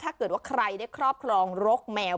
ถ้าเกิดว่าใครได้ครอบครองรกแมว